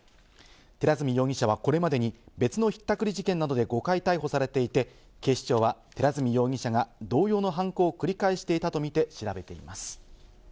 寺墨容疑者はこれまでに別のひったくり事件などで５回逮捕されていて、警視庁は寺墨容疑者が同様の犯行を繰り返していたとみて調べています。